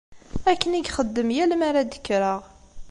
Akken i ixeddem yal mi ara d-kkreɣ.